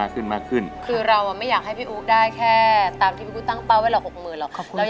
คือเราไม่อยากให้พี่อู๋ได้แค่ตามที่พี่อู๋ตั้งเป้าไว้หลักหกหมื่นหรอก